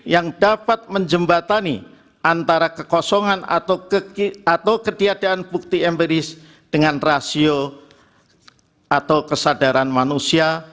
yang dapat menjembatani antara kekosongan atau ketiadaan bukti empiris dengan rasio atau kesadaran manusia